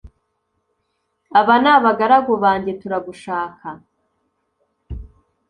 aba nabagaragu banjye turagushaka